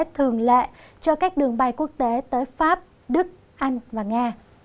thường lệ cho các đường bay quốc tế tới pháp đức anh và nga